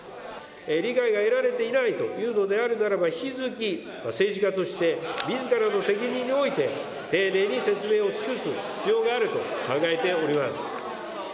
理解が得られていないというのであるならば、引き続き政治家として、みずからの責任において、丁寧に説明を尽くす必要があると考えております。